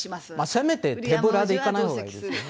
せめて手ぶらで行かないほうがいいですよね。